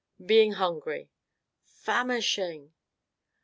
"Being hungry." "Famishing!"